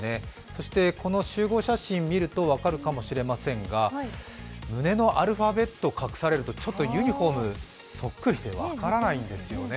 そしてこの集合写真、見ると分かるかもしれませんが胸のアルファベットを隠されるとユニフォームがそっくりで分からないんですよね。